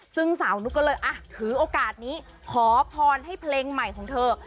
ซึ่งสาวนุ๊กก็เลยถือโอกาสนี้ขอพรให้เพลงใหม่ของเธอ